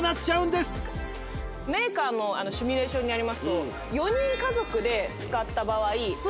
メーカーのシミュレーションによりますと。